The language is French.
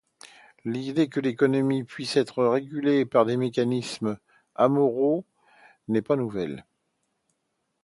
L’idée que l’économie puisse être régulée par des mécanismes amoraux n’est pas nouvelle.